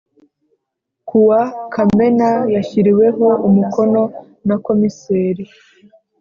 ku wa Kamena yashyiriweho umukono na komiseri